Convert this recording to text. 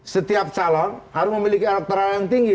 setiap calon harus memiliki elektoral yang tinggi